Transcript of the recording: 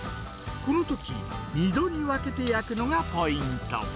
このとき、２度に分けて焼くのがポイント。